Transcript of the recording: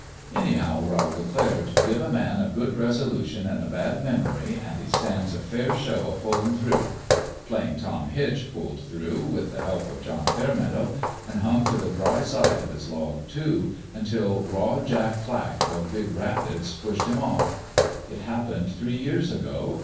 " Anyhow," Rowl declared, " give a man a good resolution an' a bad memory an' he stands a fair show o' pullin' through. Plain Tom Hitch pulled through, with the help of John 224 What HAPPENED to TOM HITCH Fairmeadow, and hung to the dry side of his log, too, until Raw Jack Flack, of Big Rapids, pushed him off. It happened three years ago.